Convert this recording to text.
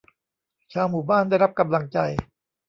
ชาวหมู่บ้านได้รับกำลังใจ